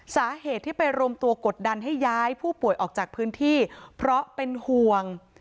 สาเหตุที่ไปรวมตัวกดดันให้ย้ายผู้ป่วยออกจากพื้นที่เพราะเป็นห่วง